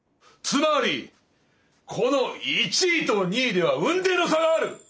つまりこの１位と２位では雲泥の差がある！